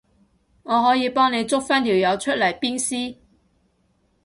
我可以幫你捉返條友出嚟鞭屍